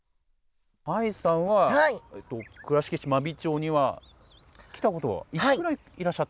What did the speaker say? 愛さんは倉敷市真備町には来たことはいつぐらいにいらっしゃった？